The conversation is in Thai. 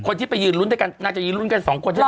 คนที่ไปยืนลุ้นด้วยกันน่าจะยืนลุ้นกันสองคนใช่ไหม